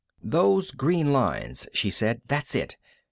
"Those green lines," she said. "That's it.